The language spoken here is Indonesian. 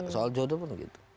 soal jodoh pun begitu